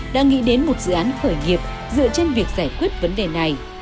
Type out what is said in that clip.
đã nghĩ đến một dự án khởi nghiệp dựa trên việc giải quyết vấn đề này